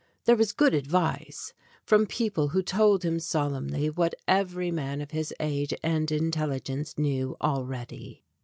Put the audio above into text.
There was good advice from peo ple who told him solemnly what every man of his age and intelligence knew already.